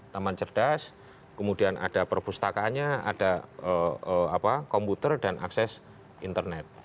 taman cerdas kemudian ada perpustakaannya ada komputer dan akses internet